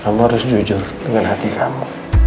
kamu harus jujur dengan hati sama